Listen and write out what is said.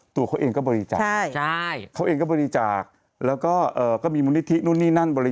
ตัวเขาเองก็บริจาคใช่ใช่